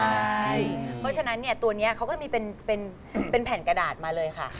เพราะฉะนั้นตัวนี้เขาก็จะมีเป็นแผ่นกระดาษมาเลยค่ะ